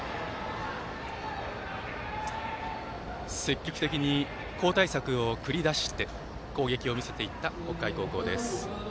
積極的に交代策を繰り出して攻撃を見せていった北海高校です。